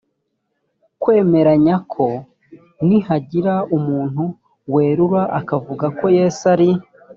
kwemeranya ko nihagira umuntu werura akavuga ko yesu ari